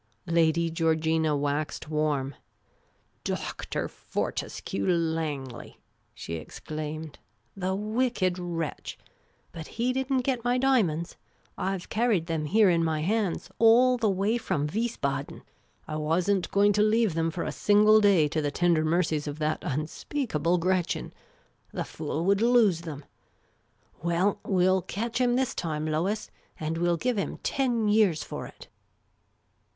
Lady Georgina waxed warm. " Dr. Fortescue Langlej !" she exclaimed. " The wicked wretch ! But he did n't get my diamonds ! I ' ve carried them here in my hands, all the way from Wiesbaden ; I was n't going to leave them for a single day to the tender mercies of that unspeakable Gretchen. The fool would lose them. Well, we '11 catch 8 114 Miss Cayley's Adventures him this time, Lois ; and we '11 give him ten years for it